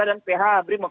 dan phh brimob